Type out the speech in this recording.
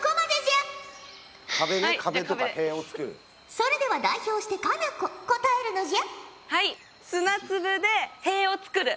それでは代表して佳菜子答えるのじゃ！